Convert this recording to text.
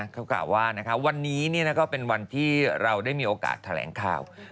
เขากล่าวว่าวันนี้ก็เป็นวันที่เราได้มีโอกาสแถลงข่าว